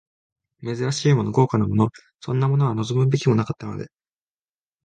珍しいもの、豪華なもの、そんなものは望むべくもなかったので、